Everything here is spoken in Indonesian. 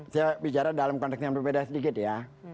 saya bicara dalam konteks yang berbeda sedikit ya